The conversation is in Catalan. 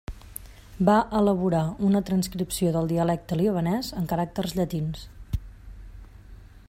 Va elaborar una transcripció del dialecte libanès en caràcters llatins.